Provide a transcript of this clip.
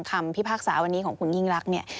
คำพิพากษาวันนี้ของคุณกิ้งลักษณ์